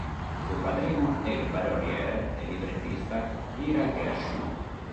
Suo padrino è il paroliere e librettista Ira Gershwin.